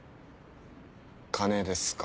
金ですか。